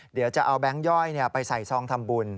เดี๋ยวจะเอาแบงค์ย่อยไปใส่ซองทำบุญ